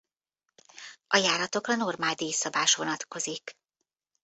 A járatokra normál díjszabás vonatkozik.